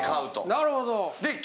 なるほど。